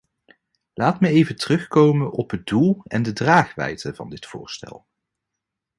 Laat me even terugkomen op het doel en de draagwijdte van dit voorstel.